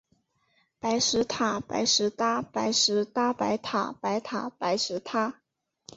白石塔，白石搭。白石搭白塔，白塔白石搭